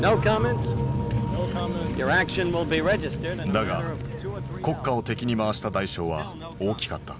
だが国家を敵に回した代償は大きかった。